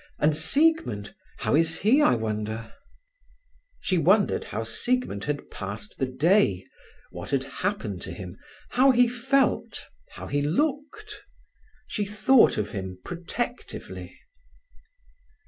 "And Siegmund, how is he, I wonder?" She wondered how Siegmund had passed the day, what had happened to him, how he felt, how he looked. She thought of him protectively.